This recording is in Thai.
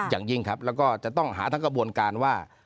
อย่างยิ่งครับแล้วก็จะต้องหาทั้งกระบวนการว่า